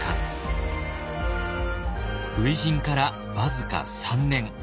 初陣から僅か３年。